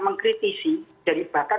mengkritisi jadi bahkan